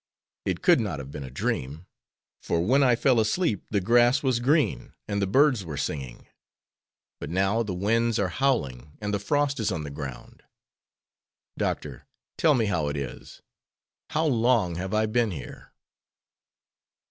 It could not have been a dream, for when I fell asleep the grass was green and the birds were singing, but now the winds are howling and the frost is on the ground. Doctor, tell me how it is? How long have I been here?"